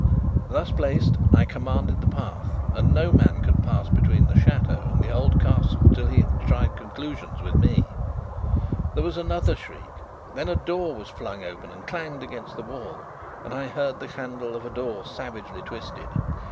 Thus placed, I commanded the path, and no man could pass between the chateau and the old Castle till he had tried conclusions with me. There was another shriek. Then a door was flung open and clanged against the wall, and I heard the handle of a door savagely twisted.